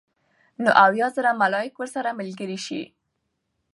نو اويا زره ملائک ورسره ملګري شي